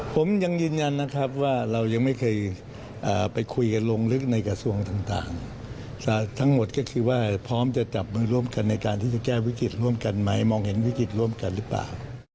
ผมยังยืนยันนะครับว่าเรายังไม่เคยไปคุยกันลงลึกในกระทรวงต่างทั้งหมดก็คือว่าพร้อมจะจับมือร่วมกันในการที่จะแก้วิกฤตร่วมกันไหมมองเห็นวิกฤตร่วมกันหรือเปล่า